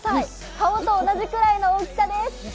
顔と同じくらいの大きさです！